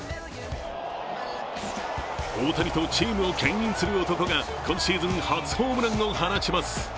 大谷とチームを牽引する男が今シーズン初ホームランを放ちます。